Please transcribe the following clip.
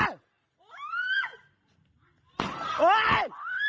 เฮ้ย